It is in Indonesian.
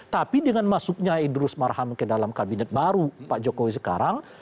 tapi dengan masuknya idrus marham ke dalam kabinet baru pak jokowi sekarang